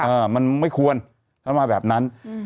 เออมันไม่ควรแล้วมาแบบนั้นอืม